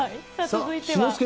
さあ、続いては。